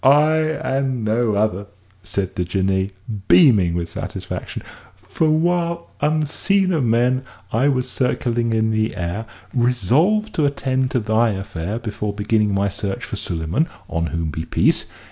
"I, and no other," said the Jinnee, beaming with satisfaction; "for while, unseen of men, I was circling in air, resolved to attend to thy affair before beginning my search for Suleyman (on whom be peace!)